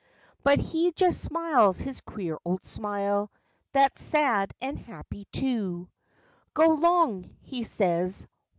But he just smiles his queer old smile that's sad and happy, too, "Go 'long," he says.